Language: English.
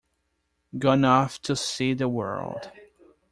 Gone off to see the world.